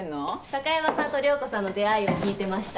貴山さんと涼子さんの出会いを聞いてました。